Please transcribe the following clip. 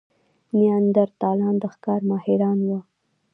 نیاندرتالان د ښکار ماهران وو.